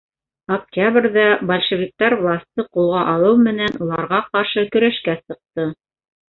Октябрҙә большевиктар власты ҡулға алыу менән, уларға ҡаршы көрәшкә сыҡты.